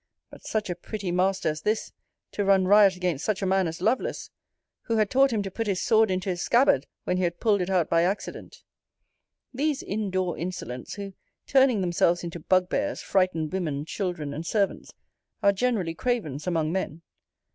But such a pretty master as this, to run riot against such a man as Lovelace; who had taught him to put his sword into his scabbard, when he had pulled it out by accident! These in door insolents, who, turning themselves into bugbears, frighten women, children, and servants, are generally cravens among men.